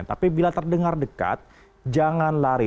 tapi bila terdengar dekat jangan lari